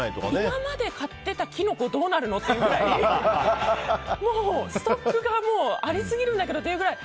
今まで買ってたキノコどうなるの？っていうぐらいにストックがありすぎるんだけどっていうぐらい。